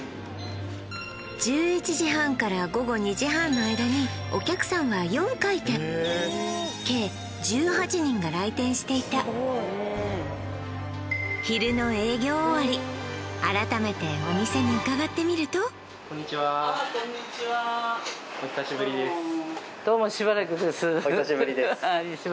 １１時半から午後２時半の間にお客さんは４回転計１８人が来店していた昼の営業終わり改めてお店に伺ってみるとお久しぶりです